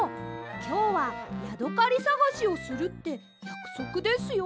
きょうはヤドカリさがしをするってやくそくですよ。